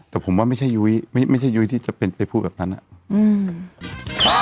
แต่ผมว่าไม่ใช่ยุ้ยไม่ใช่ยุ้ยที่จะเป็นไปพูดแบบนั้นอ่ะอืม